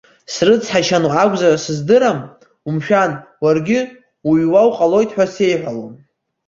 Срыцҳашьаны акәзу сыздуам, умшәан, уаргьы уҩуа уҟалоит ҳәа сеиҳәалон.